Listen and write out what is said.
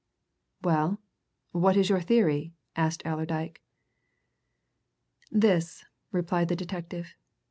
"Well what is your theory?" asked Allerdyke. "This," replied the detective.